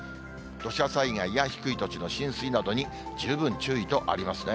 土砂災害や低い土地の浸水などに十分注意とありますね。